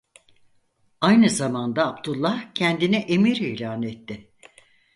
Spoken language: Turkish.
Aynı zamanda Abdullah kendini Emir ilan etti.